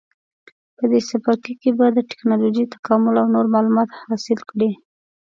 په دې څپرکي کې به د ټېکنالوجۍ تکامل او نور معلومات حاصل کړئ.